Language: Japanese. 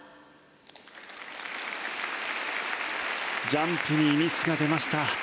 ジャンプにミスが出ました。